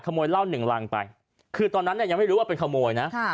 เหล้าหนึ่งรังไปคือตอนนั้นเนี่ยยังไม่รู้ว่าเป็นขโมยนะ